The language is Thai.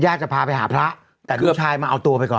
จะพาไปหาพระแต่ลูกชายมาเอาตัวไปก่อน